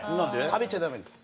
食べちゃダメです。